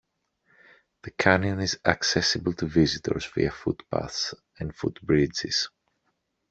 The canyon is accessible to visitors via footpaths and foot bridges.